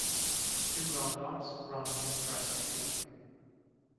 Two brown dogs running in a grassy field.